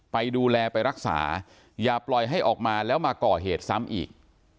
ไปดูแลไปรักษาอย่าปล่อยให้ออกมาแล้วมาก่อเหตุซ้ำอีก